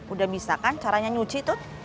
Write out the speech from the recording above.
udah bisa kan caranya nyuci tuh